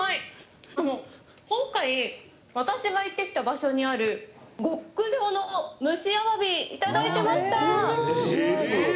今回私が行ってきた場所にある極上の蒸しアワビいただいてました！